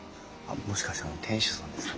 もしかして店主さんですか？